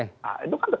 nah itu kan